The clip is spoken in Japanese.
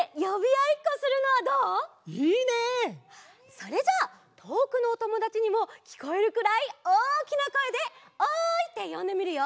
それじゃあとおくのおともだちにもきこえるくらいおおきなこえで「おい！」ってよんでみるよ。